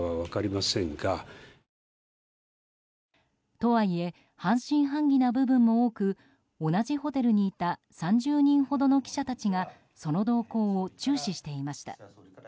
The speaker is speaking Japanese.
とはいえ半信半疑な部分も多く同じホテルにいた３０人ほどの記者たちがその動向を注視していました。